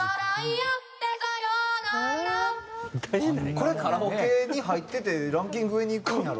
これカラオケに入っててランキングにいくんやろ？